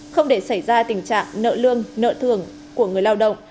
không để xảy ra tình trạng nợ lương nợ thường của người lao động